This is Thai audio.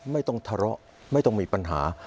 ไม่ต้องทะเลาะไม่ต้องมีปัญหา